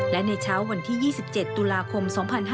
และในเช้าวันที่๒๗ตุลาคม๒๕๕๙